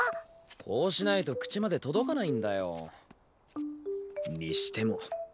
こうしないと口まで届かないんだよ。